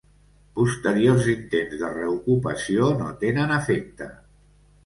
Posteriors intents de reocupació no tenen efecte.